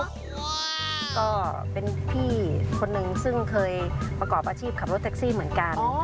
ก็เป็นพี่คนนึงซึ่งเคยประกอบอาชีพขับรถแท็กซี่เหมือนกัน